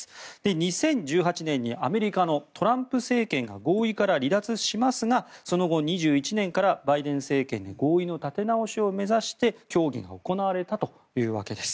２０１８年にアメリカのトランプ政権が合意から離脱しますがその後、２１年からバイデン政権で合意の立て直しを目指して協議が行われたというわけです。